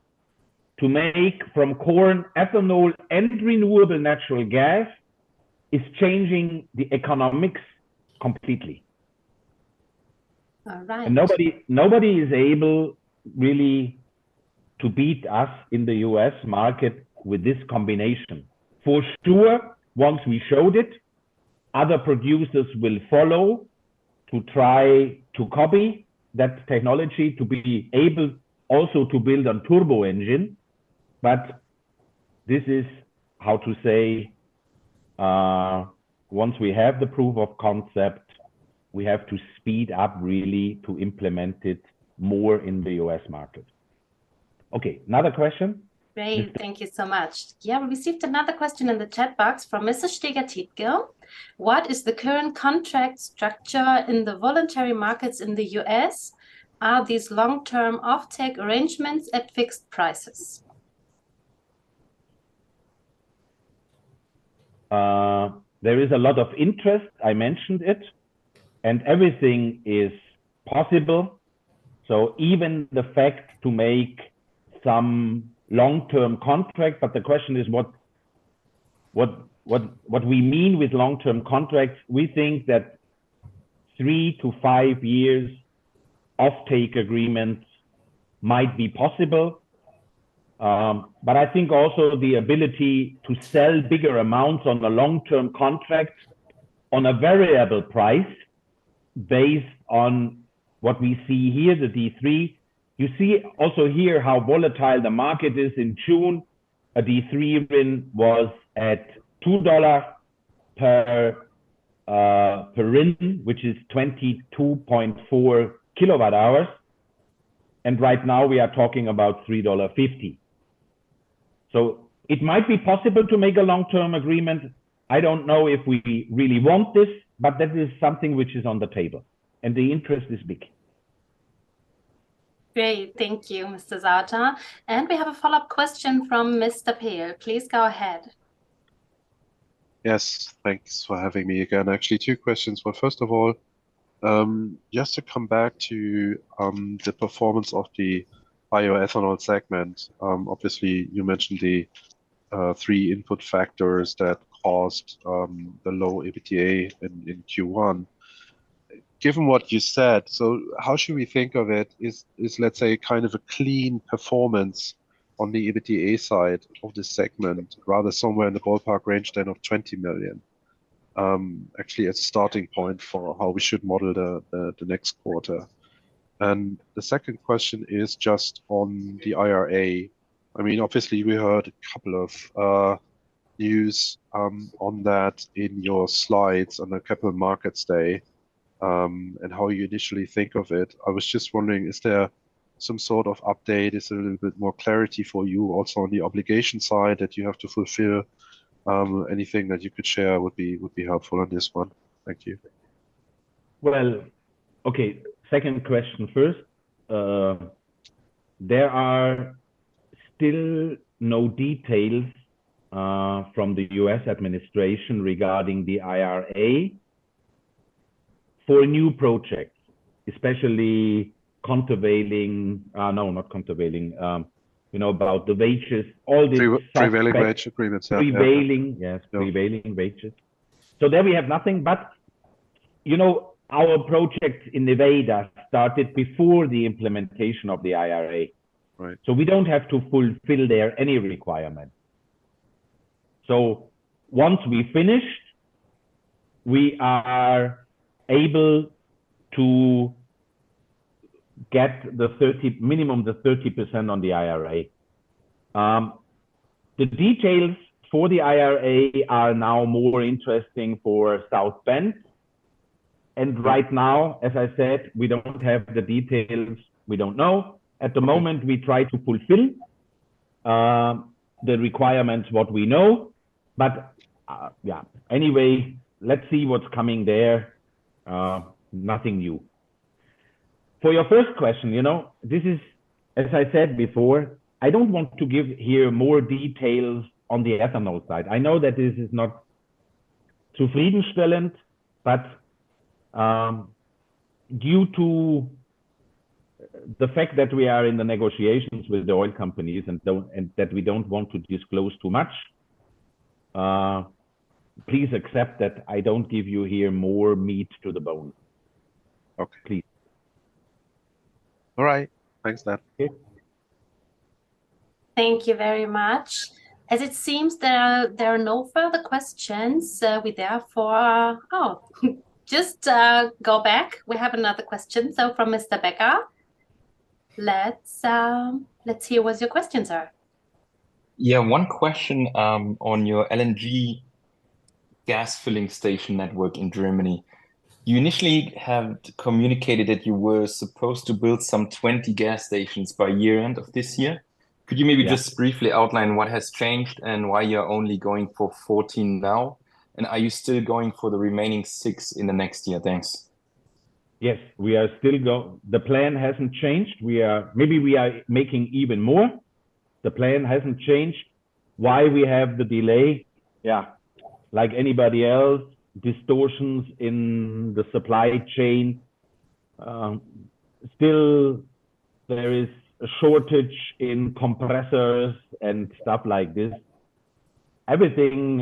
to make from corn, ethanol, and renewable natural gas, is changing the economics completely. All right. Nobody, nobody is able really to beat us in the U.S. market with this combination. For sure, once we showed it, other producers will follow to try to copy that technology, to be able also to build on turbo engine. But this is, how to say, once we have the proof of concept, we have to speed up really to implement it more in the U.S. market. Okay, another question? Great. Thank you so much. Yeah, we received another question in the chat box from Mr. Steger Tiedgil. "What is the current contract structure in the voluntary markets in the U.S.? Are these long-term offtake arrangements at fixed prices? There is a lot of interest, I mentioned it, and everything is possible. So even the fact to make some long-term contract, but the question is what we mean with long-term contracts, we think that three to five years offtake agreements might be possible. But I think also the ability to sell bigger amounts on a long-term contract on a variable price based on what we see here, the D3. You see also here, how volatile the market is. In June, a D3 RIN was at $2 per RIN, which is 22.4 kWh, and right now we are talking about $3.50. So it might be possible to make a long-term agreement. I don't know if we really want this, but that is something which is on the table, and the interest is big. Great. Thank you, Mr. Sauter. We have a follow-up question from Mr. Philipp. Please go ahead. Yes, thanks for having me again. Actually, two questions. Well, first of all, just to come back to the performance of the bioethanol segment, obviously, you mentioned the three input factors that caused the low EBITDA in Q1. Given what you said, so how should we think of it? Is, is, let's say, kind of a clean performance on the EBITDA side of the segment, rather somewhere in the ballpark range then of 20 million, actually as a starting point for how we should model the next quarter? And the second question is just on the IRA. I mean, obviously, we heard a couple of news on that in your slides on the Capital Markets Day, and how you initially think of it. I was just wondering, is there some sort of update? Is there a little bit more clarity for you also on the obligation side that you have to fulfill? Anything that you could share would be, would be helpful on this one. Thank you. Well, okay, second question first. There are still no details from the U.S. administration regarding the IRA for new projects, especially, you know, about the wages, all these- Prevailing wage agreements. Prevailing, yes. No. Prevailing wages. So there we have nothing. But, you know, our projects in Nevada started before the implementation of the IRA. Right. So we don't have to fulfill there any requirement. So once we finish, we are able to get the 30-- minimum, the 30% on the IRA. The details for the IRA are now more interesting for South Bend, and right now, as I said, we don't have the details. We don't know. At the moment, we try to fulfill the requirements, what we know. But, yeah, anyway, let's see what's coming there. Nothing new. For your first question, you know, this is... As I said before, I don't want to give here more details on the ethanol side. I know that this is not too zufriedenstellend, but due to the fact that we are in the negotiations with the oil companies and that we don't want to disclose too much, please accept that I don't give you here more meat to the bone. Okay. Please. All right. Thanks, then. Okay. Thank you very much. As it seems, there are, there are no further questions, we therefore... Oh, just, go back. We have another question, so from Mr. Becker. Let's, let's hear what your questions are. Yeah, one question on your LNG gas filling station network in Germany. You initially had communicated that you were supposed to build some 20 gas stations by year end of this year. Yeah. Could you maybe just briefly outline what has changed and why you're only going for 14 now? And are you still going for the remaining 6 in the next year? Thanks. Yes, we are still go-- The plan hasn't changed. We are-- Maybe we are making even more. The plan hasn't changed. Why we have the delay? Yeah, like anybody else, distortions in the supply chain. Still there is a shortage in compressors and stuff like this. Everything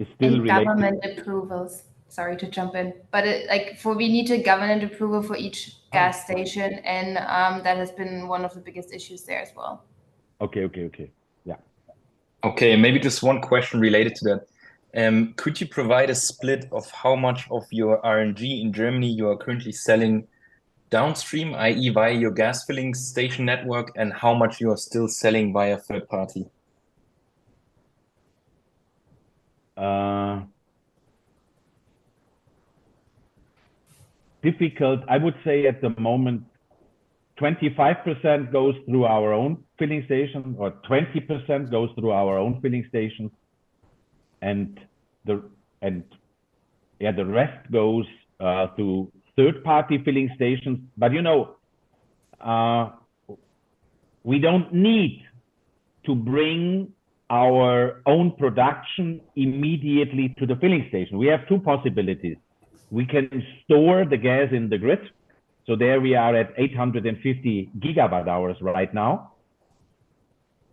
is still related- Government approvals. Sorry to jump in, but it—like, for we need a government approval for each gas station, and that has been one of the biggest issues there as well. Okay, okay, okay. Yeah. Okay, and maybe just one question related to that. Could you provide a split of how much of your RNG in Germany you are currently selling downstream, i.e., via your gas filling station network, and how much you are still selling via third party? Difficult. I would say at the moment, 25% goes through our own filling station, or 20% goes through our own filling stations, and, yeah, the rest goes to third-party filling stations. But, you know, we don't need to bring our own production immediately to the filling station. We have two possibilities. We can store the gas in the grid, so there we are at 850 gigawatt hours right now.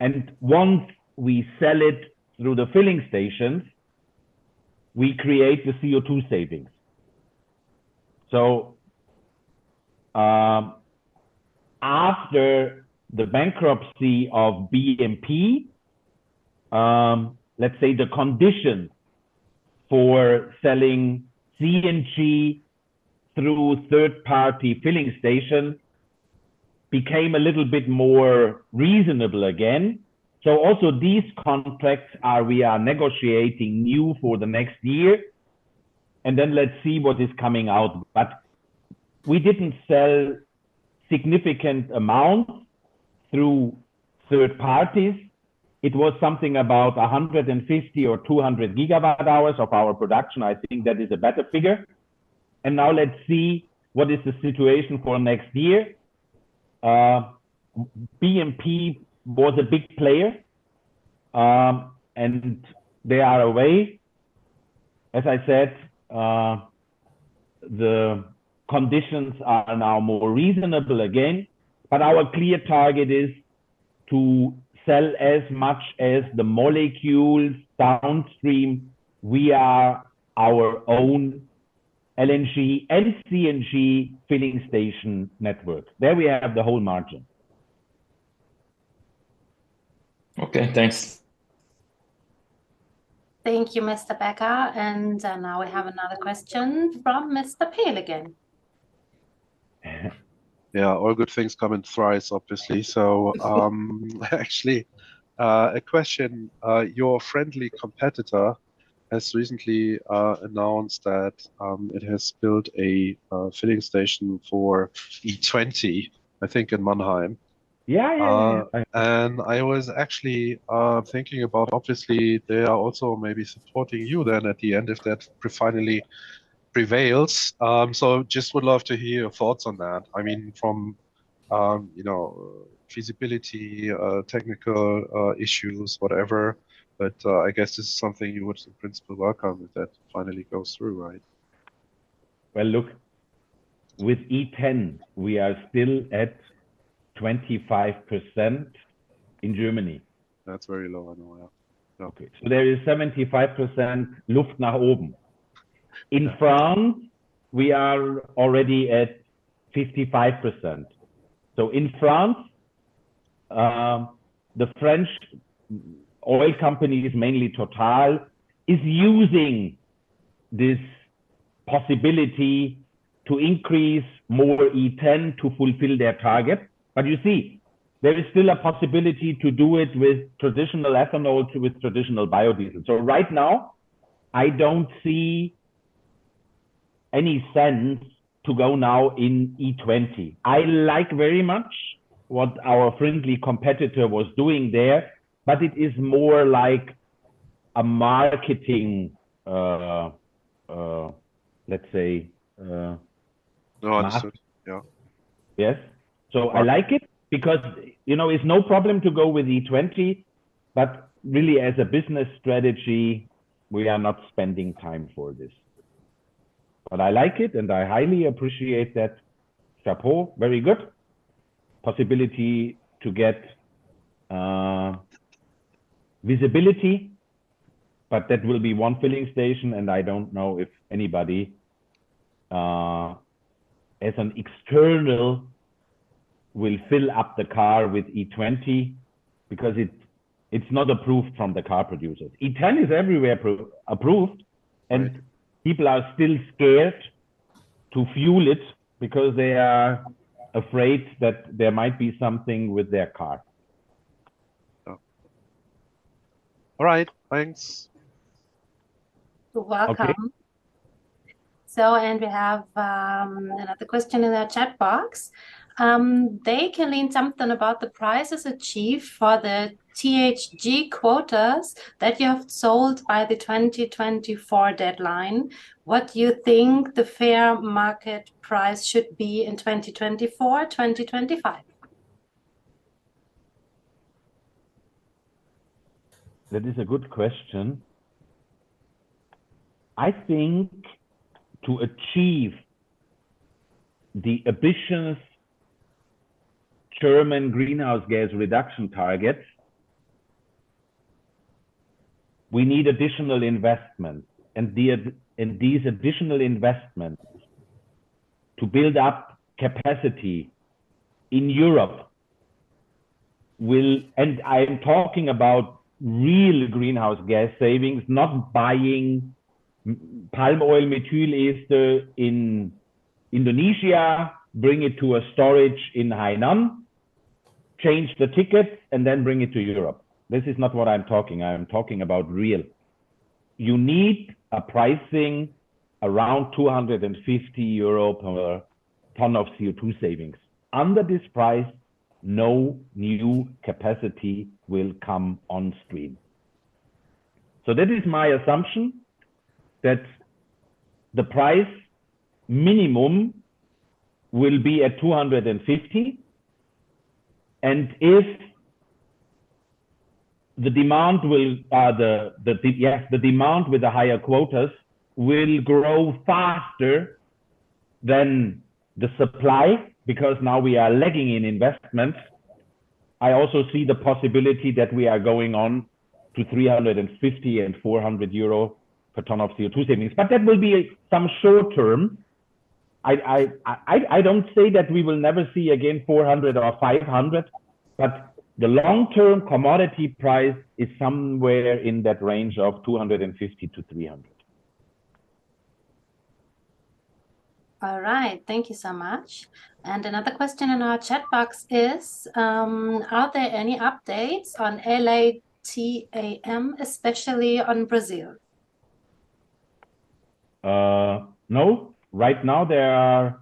And once we sell it through the filling stations, we create the CO2 savings. So, after the bankruptcy of BMP, let's say the condition for selling CNG through third-party filling station became a little bit more reasonable again. So also, these contracts are, we are negotiating new for the next year, and then let's see what is coming out. But we didn't sell significant amounts through third parties. It was something about 150 or 200 GWh of our production. I think that is a better figure. Now let's see what is the situation for next year. BMP was a big player, and they are away. As I said, the conditions are now more reasonable again, but our clear target is to sell as much as the molecules downstream. We are our own LNG, LCNG filling station network. There we have the whole margin. Okay, thanks. Thank you, Mr. Becker. Now we have another question from Mr. Peel again.... Yeah, all good things come in thrice, obviously. So, actually, a question: your friendly competitor has recently announced that it has built a filling station for E20, I think, in Mannheim. Yeah, yeah, yeah. And I was actually thinking about obviously, they are also maybe supporting you then at the end if that finally prevails. So just would love to hear your thoughts on that. I mean, from, you know, feasibility, technical, issues, whatever, but, I guess this is something you would in principle work on if that finally goes through, right? Well, look, with E10, we are still at 25% in Germany. That's very low, I know. Yeah. Okay. So there is 75% "...". In France, we are already at 55%. So in France, the French oil companies, mainly Total, is using this possibility to increase more E10 to fulfill their target. But you see, there is still a possibility to do it with traditional ethanol, to with traditional biodiesel. So right now, I don't see any sense to go now in E20. I like very much what our friendly competitor was doing there, but it is more like a marketing, let's say, No, I understand. Yeah. Yes. So I like it because, you know, it's no problem to go with E20, but really, as a business strategy, we are not spending time for this. But I like it, and I highly appreciate that. Chapeau, very good possibility to get visibility, but that will be one filling station, and I don't know if anybody, as an external, will fill up the car with E20 because it, it's not approved from the car producers. E10 is everywhere approved- Right... and people are still scared to fuel it because they are afraid that there might be something with their car. Oh. All right, thanks. You're welcome. Okay. We have another question in our chat box. They can learn something about the prices achieved for the THG quotas that you have sold by the 2024 deadline. What do you think the fair market price should be in 2024, 2025? That is a good question. I think to achieve the ambitious German greenhouse gas reduction targets, we need additional investments. These additional investments to build up capacity in Europe will... I'm talking about real greenhouse gas savings, not buying palm oil methyl ester in Indonesia, bring it to a storage in Hainan, change the ticket, and then bring it to Europe. This is not what I'm talking. I am talking about real. You need a pricing around 250 euro per ton of CO2 savings. Under this price, no new capacity will come on stream. So that is my assumption, that the price minimum will be at 250, and if the demand with the higher quotas will grow faster than the supply, because now we are lagging in investments. I also see the possibility that we are going on to 350-400 euro per ton of CO2 savings, but that will be some short term. I don't say that we will never see again 400 or 500, but the long-term commodity price is somewhere in that range of 250-300. All right. Thank you so much. And another question in our chat box is, are there any updates on LATAM, especially on Brazil? No. Right now, there are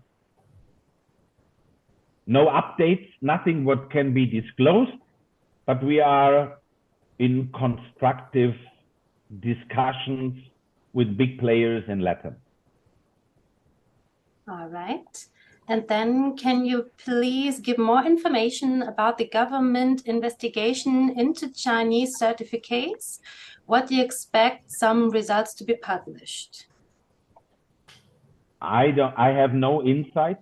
no updates, nothing what can be disclosed, but we are in constructive discussions with big players in Latin. All right. Can you please give more information about the government investigation into Chinese certificates? What do you expect some results to be published? I have no insight,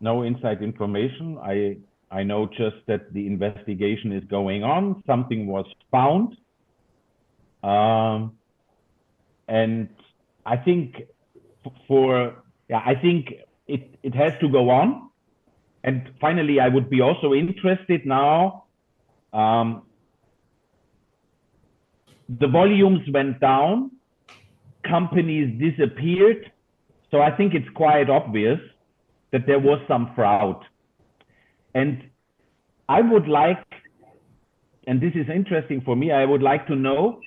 no inside information. I know just that the investigation is going on. Something was found, and I think it has to go on. And finally, I would be also interested now—the volumes went down, companies disappeared. So I think it's quite obvious that there was some fraud. And I would like, and this is interesting for me, I would like to know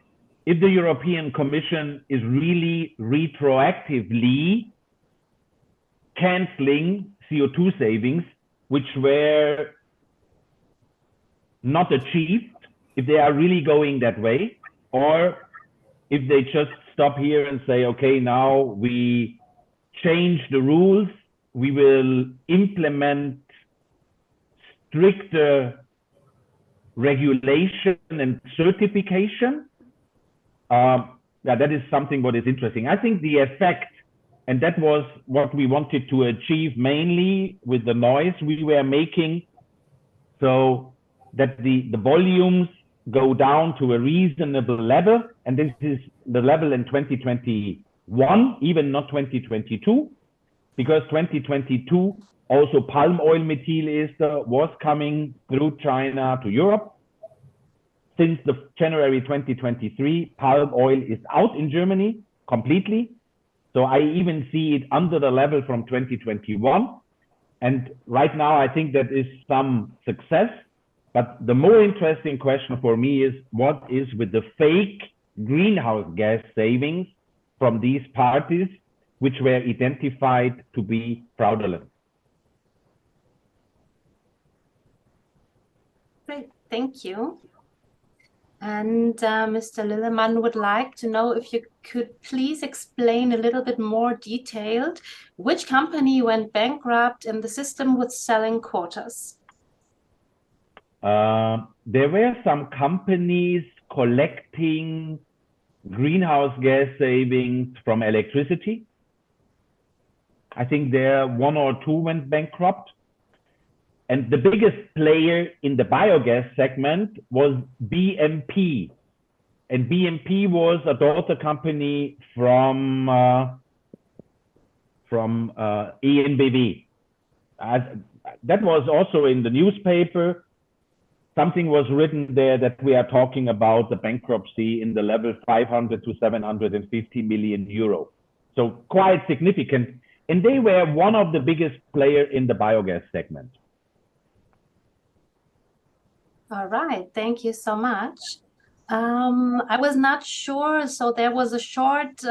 if the European Commission is really retroactively canceling CO2 savings, which were not achieved, if they are really going that way, or if they just stop here and say, "Okay, now we change the rules. We will implement stricter regulation and certification." That is something what is interesting. I think the effect, and that was what we wanted to achieve mainly with the noise we were making, so that the volumes go down to a reasonable level, and this is the level in 2021, even not 2022, because 2022, also palm oil methyl ester was coming through China to Europe. Since January 2023, palm oil is out in Germany completely. So I even see it under the level from 2021, and right now, I think that is some success. But the more interesting question for me is, what is with the fake greenhouse gas savings from these parties, which were identified to be fraudulent? Great. Thank you. And, Mr. Lillemann would like to know if you could please explain a little bit more detailed, which company went bankrupt, and the system was selling quotas? There were some companies collecting greenhouse gas savings from electricity. I think there are one or two went bankrupt, and the biggest player in the biogas segment was BMP, and BMP was a daughter company from EnBW. That was also in the newspaper. Something was written there that we are talking about the bankruptcy in the level 500 million-750 million euro, so quite significant. They were one of the biggest player in the biogas segment. All right. Thank you so much. I was not sure, so there was a short,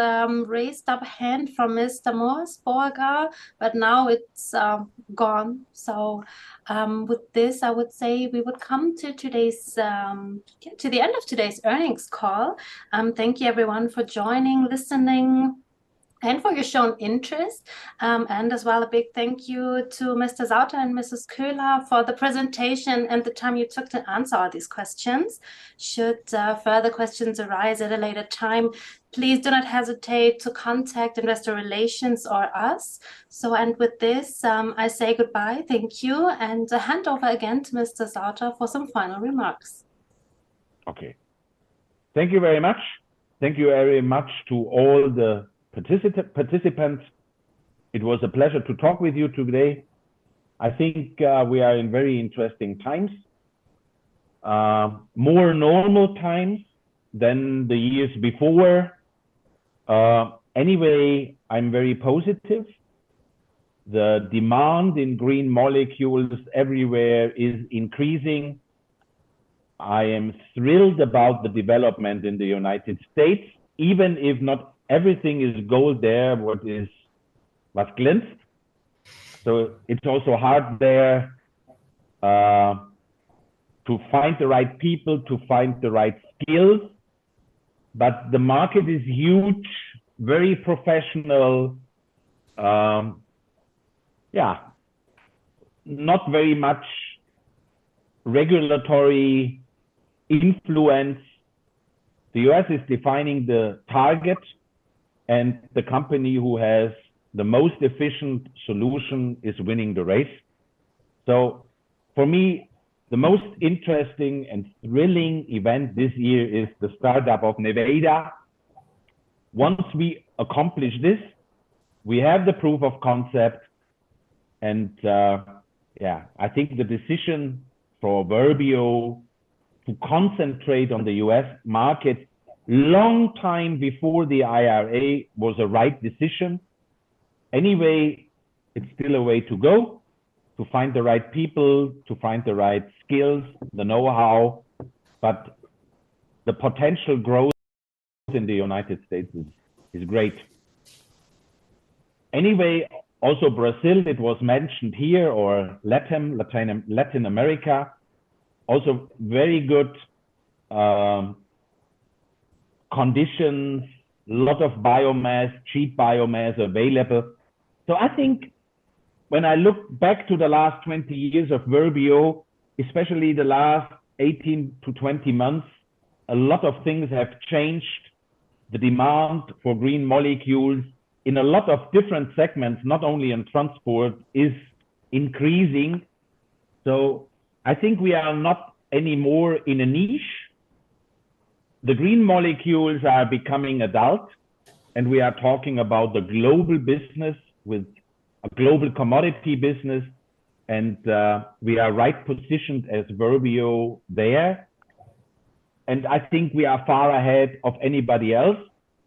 raised up hand from Mr. Morsberger, but now it's, gone. So, with this, I would say we would come to today's, to the end of today's earnings call. Thank you everyone for joining, listening, and for your shown interest. And as well, a big thank you to Mr. Sauter and Mrs. Köhler for the presentation and the time you took to answer all these questions. Should, further questions arise at a later time, please do not hesitate to contact Investor Relations or us. So and with this, I say goodbye. Thank you, and hand over again to Mr. Sauter for some final remarks. Okay. Thank you very much. Thank you very much to all the participants. It was a pleasure to talk with you today. I think, we are in very interesting times, more normal times than the years before. Anyway, I'm very positive. The demand in green molecules everywhere is increasing. I am thrilled about the development in the United States, even if not everything is gold there, what is, what glints. So it's also hard there, to find the right people, to find the right skills, but the market is huge, very professional. Yeah, not very much regulatory influence. The U.S. is defining the target, and the company who has the most efficient solution is winning the race. So for me, the most interesting and thrilling event this year is the startup of Nevada. Once we accomplish this, we have the proof of concept, and, yeah, I think the decision for Verbio to concentrate on the U.S. market, long time before the IRA was a right decision. Anyway, it's still a way to go to find the right people, to find the right skills, the know-how, but the potential growth in the United States is, is great. Anyway, also Brazil, it was mentioned here, or Latin, Latin, Latin America, also very good, conditions, lot of biomass, cheap biomass available. So I think when I look back to the last 20 years of Verbio, especially the last 18-20 months, a lot of things have changed. The demand for green molecules in a lot of different segments, not only in transport, is increasing. So I think we are not anymore in a niche. The green molecules are becoming adult, and we are talking about the global business with a global commodity business, and we are right positioned as Verbio there, and I think we are far ahead of anybody else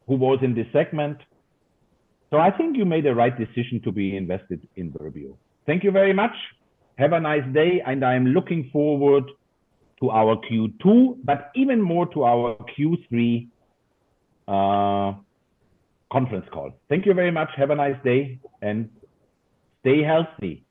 who was in this segment. So I think you made the right decision to be invested in Verbio. Thank you very much. Have a nice day, and I'm looking forward to our Q2, but even more to our Q3 conference call. Thank you very much. Have a nice day, and stay healthy. Thank you.